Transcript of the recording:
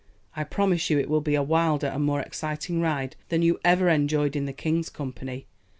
I promise you it will be a wilder and more exciting ride than you ever enjoyed in the king's company.